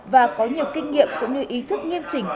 và có nhiều kinh nghiệm cũng như ý thức nghiêm chỉnh